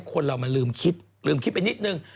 คนเรามันลืมคิดลืมคิดไปนิดนึง